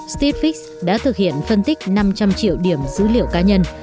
stitch fix đã thực hiện phân tích năm trăm linh triệu điểm dữ liệu cá nhân